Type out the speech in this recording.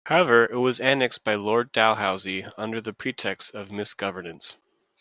However it was annexed by Lord Dalhousie under the pretext of mis-governance.